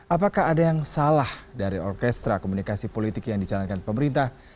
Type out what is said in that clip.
apakah ada yang salah dari orkestra komunikasi politik yang dicalankan pemerintah